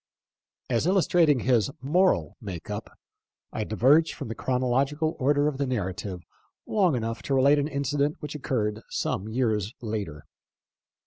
As illustrating his moral make up, I diverge from the chronological order of the narrative long enough to relate an incident which occurred some years later.